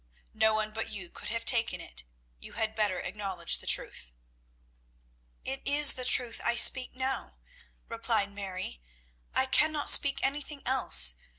No one but you could have taken it. You had better acknowledge the truth." "It is the truth I speak now," replied Mary. "I cannot speak anything else.